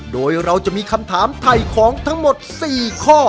โดยเราจะมีคำถามไถ่ของทั้งหมด๔ข้อ